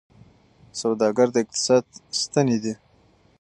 سوداګر د اقتصاد ستني دي.